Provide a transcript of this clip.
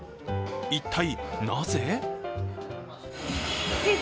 一体、なぜ？